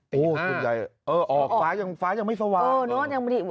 เออออกฟ้ายังไม่สว่าง